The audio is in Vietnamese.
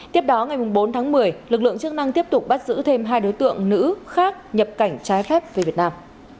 tiếp đó ngày bốn tháng một mươi lực lượng chức năng tiếp tục bắt giữ thêm hai đối tượng nữ khác nhập cảnh trái phép về việt nam